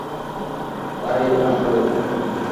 তাই, আসলেই?